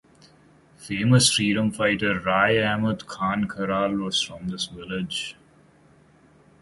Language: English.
Famous freedom fighter Rai Ahmad Khan Kharal was from this village.